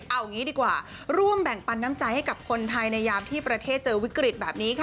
เอางี้ดีกว่าร่วมแบ่งปันน้ำใจให้กับคนไทยในยามที่ประเทศเจอวิกฤตแบบนี้ค่ะ